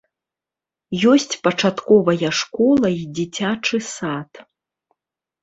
Ёсць пачатковая школа і дзіцячы сад.